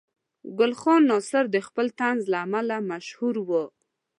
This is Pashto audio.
ګل خان ناصر د خپل طنز له امله مشهور و.